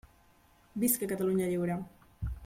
Visca Catalunya lliure!